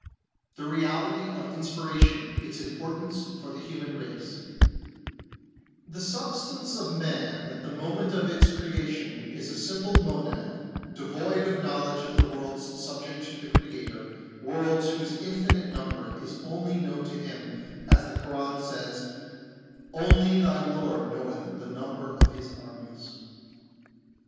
The Reality of Inspiration : its Importance for the Human Race The substance of man at the moment of its creation is a simple monad, devoid of knowledge of the worlds subject to the Creator, worlds whose infinite number is only known to Him, as the Koran says :" Only thy Lord knoweth the number of His armies."